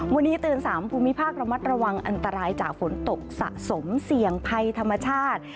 วันนี้เตือน๓ภูมิภาคระมัดระวังอันตรายจากฝนตกสะสมเสี่ยงภัยธรรมชาติ